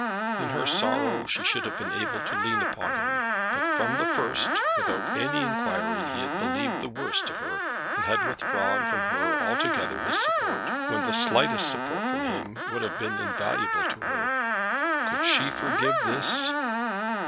In her sorrow she should have been able to lean upon him; but from the first, without any inquiry, he had believed the worst of her, and had withdrawn from her altogether his support, when the slightest support from him would have been invaluable to her. Could she forgive this?